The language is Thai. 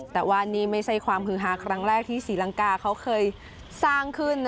แต่ว่านี่ไม่ใช่ความฮือฮาครั้งแรกที่ศรีลังกาเขาเคยสร้างขึ้น